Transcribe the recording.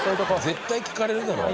絶対聞かれるだろ。